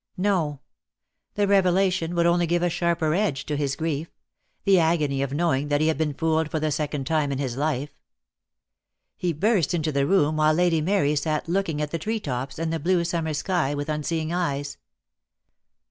No; the revelation would only give a sharper edge to his grief, the agony of knowing that he had been fooled for the second time in his life. He burst into the room while Lady Mary sat looking at the tree tops and the blue summer sky with unseeing eyes.